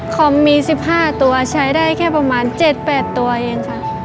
คอมมี๑๕ตัวใช้ได้แค่ประมาณ๗๘ตัวเองค่ะ